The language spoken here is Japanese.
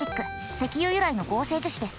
石油由来の合成樹脂です。